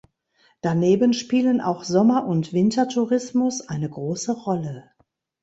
Daneben spielen auch Sommer- und Wintertourismus eine große Rolle.